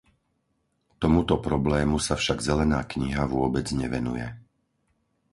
Tomuto problému sa však zelená kniha vôbec nevenuje.